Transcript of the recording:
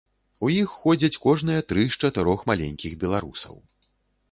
У іх ходзяць кожныя тры з чатырох маленькіх беларусаў.